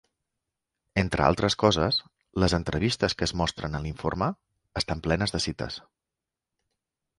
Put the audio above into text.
Entre altres coses, les entrevistes que es mostren en l'informe estan plenes de cites.